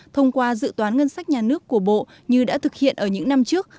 thông qua dự toán ngân sách nhà nước của bộ như đã thực hiện ở những năm trước